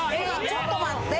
ちょっと待って！